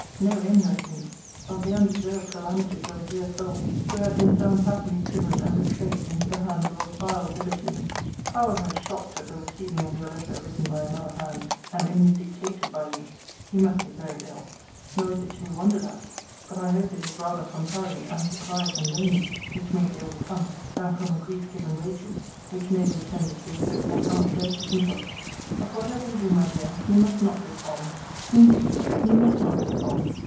No end, I think, of the undeserved calamities of a dear soul, who had been so unhappily driven and betrayed into the hands of a vile libertine! How was I shocked at the receiving of your letter written by another hand, and only dictated by you! You must be very ill. Nor is it to be wondered at. But I hope it is rather from hurry, and surprise, and lowness, which may be overcome, than from a grief given way to, which may be attended with effects I cannot bear to think of. But whatever you do, my dear, you must not despond! Indeed you must not despond!